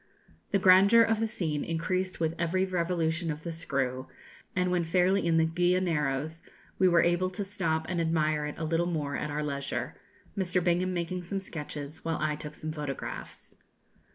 The grandeur of the scene increased with every revolution of the screw, and when fairly in the Guia narrows we were able to stop and admire it a little more at our leisure, Mr. Bingham making some sketches, while I took some photographs.